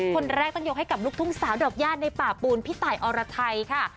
คนแรกต้องยกให้กับลูกทุ่งสาวดอกญาติในป่าปูนพี่ตายอรไทยค่ะ